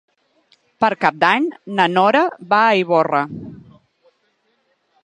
Per Cap d'Any na Nora va a Ivorra.